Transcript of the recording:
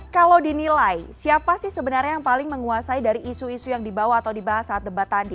kalau dinilai siapa sih sebenarnya yang paling menguasai dari isu isu yang dibawa atau dibahas saat debat tadi